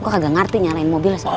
gue kagak ngerti nyalain mobilnya sok